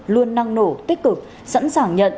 luôn năng nổ tích cực sẵn sàng nhận